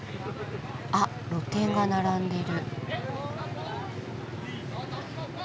あっ露店が並んでる。